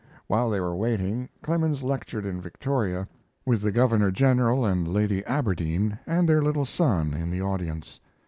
While they were waiting, Clemens lectured in Victoria, with the Governor General and Lady Aberdeen and their little son in the audience.